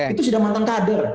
itu sudah mantan kader